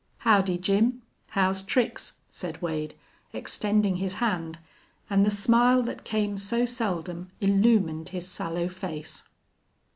"Howdy, Jim. How's tricks?" said Wade, extending his hand, and the smile that came so seldom illumined his sallow face.